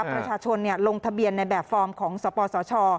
ประชาชนลงทะเบียนในแบบฟอร์มของสปสช